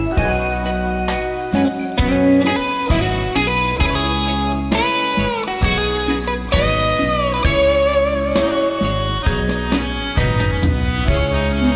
ขอให้ช่วยครับ